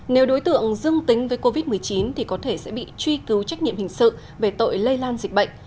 nếu đối tượng dương tính với covid một mươi chín thì có thể sẽ bị truy cứu trách nhiệm hình sự về tội lây lan dịch bệnh